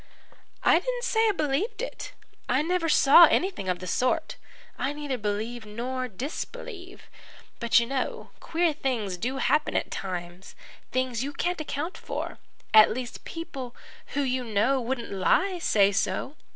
"I didn't say I believed it. I never saw anything of the sort. I neither believe nor disbelieve. But you know queer things do happen at times things you can't account for. At least, people who you know wouldn't lie say so.